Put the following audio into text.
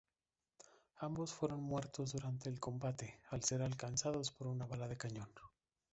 Ambos fueron muertos durante el combate al ser alcanzados por una bala de cañón.